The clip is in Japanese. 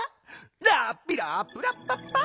「ラッピラップラッパッパ」